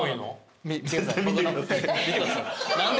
絶対見てください。